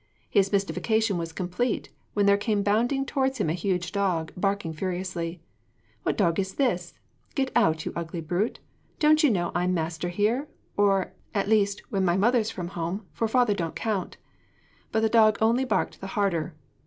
His mystification was complete when there came bounding towards him a huge dog, barking furiously. 'What dog is this? Get out, you ugly brute! Don't you know I'm master here? at least, when mother's from home, for father don't count.' But the dog only barked the harder.